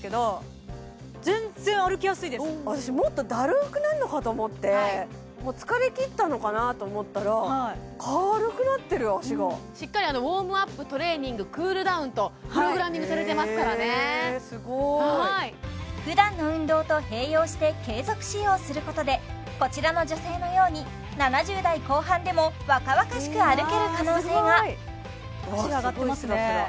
私もっとだるくなんのかと思ってもう疲れ切ったのかなと思ったらしっかりへすごいふだんの運動と併用して継続使用することでこちらの女性のように７０代後半でも若々しく歩ける可能性がわすごい